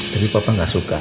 jadi papa gak suka